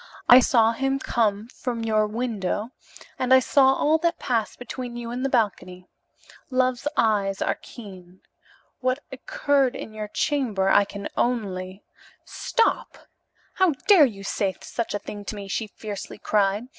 I saw him come from your window, and I saw all that passed between you in the balcony. Love's eyes are keen. What occurred in your chamber I can only " "Stop! How dare you say such a thing to me?" she fiercely cried.